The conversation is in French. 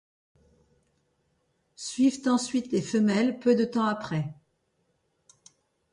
Suivent ensuite les femelles peu de temps après.